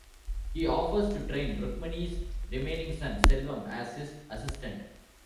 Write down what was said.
He offers to train Rukmani's remaining son, Selvam, as his assistant.